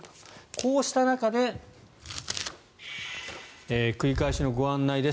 こうした中で繰り返しのご案内です